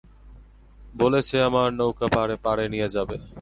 বলেছে আমার নৌকা পাড়ে নিয়ে যাবে।